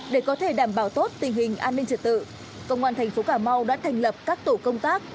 để có thể đảm bảo tốt tình hình an ninh trật tự công an thành phố cà mau đã thành lập các tổ công tác